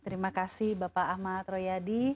terima kasih bapak ahmad royadi